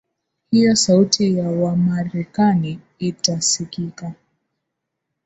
hiyo sauti ya wamarekani itasikika